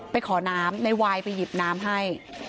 ไปขอน้ำในวายไปหยิบน้ำให้